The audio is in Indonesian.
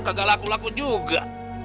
kagak laku laku juga